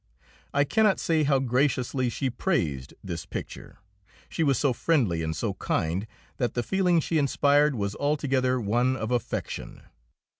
I cannot say how graciously she praised this picture. She was so friendly and so kind that the feeling she inspired was altogether one of affection.